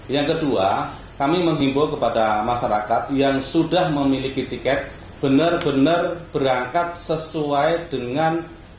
yang kedua kami menghimbau kepada masyarakat yang sudah memiliki tiket benar benar berangkat sesuai dengan